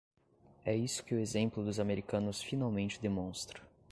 É isso que o exemplo dos americanos finalmente demonstra.